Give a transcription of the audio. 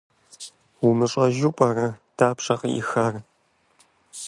УмыщӀэжу пӀэрэ, дапщэ къыӀихар?